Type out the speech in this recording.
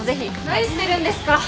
何してるんですか？